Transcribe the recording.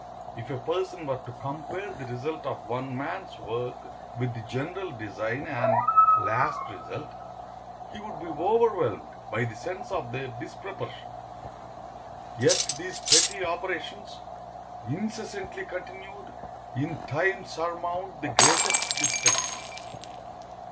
If a person were to compare the result of one man's work with the general design and last result, he would be overwhelmed by the sense of their disproportion. Yet these petty operations, incessantly continued, in time surmount the greatest difficulties.